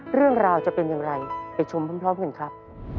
เรื่องราวจะเป็นอย่างไรไปชมพร้อมกันครับ